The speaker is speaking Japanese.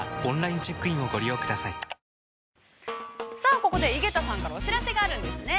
◆ここで、井桁さんからお知らせがあります。